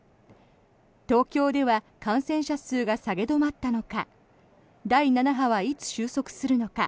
東京では感染者数が下げ止まったのか第７波はいつ収束するのか